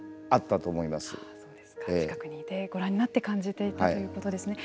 近くにいてご覧になって感じていたということですね。